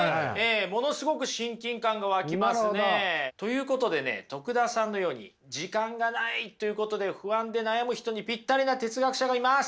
ものすごく親近感が湧きますね。ということで徳田さんのように時間がないということで不安で悩む人にぴったりな哲学者がいます。